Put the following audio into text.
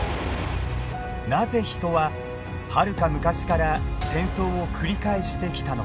なぜ人ははるか昔から戦争を繰り返してきたのか。